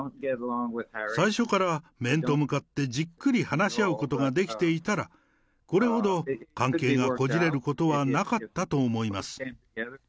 最初から面と向かってじっくり話し合うことができていたら、これほど関係がこじれることはなかったと思います。